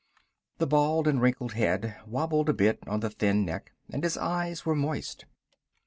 The bald and wrinkled head wobbled a bit on the thin neck, and his eyes were moist.